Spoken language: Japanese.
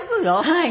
はい。